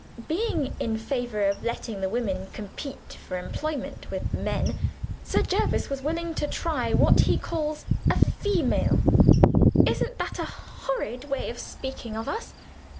Being in favor of letting the women compete for employment with the men, Sir Jervis was willing to try, what he calls, 'a female.' Isn't that a horrid way of speaking of us?